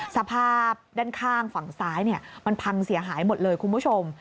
สภาพด้านข้างฝั่งซ้ายมันพังเสียหายหมดเลยคุณผู้ชม